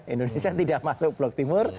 indonesia tidak masuk blok timur